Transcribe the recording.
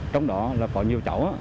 trong đó là có nhiều cháu